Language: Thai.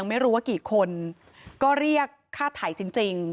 ไม่รู้ว่ากี่คนก็เรียกค่าไถจริง